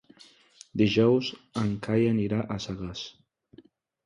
Dijous en Cai anirà a Sagàs.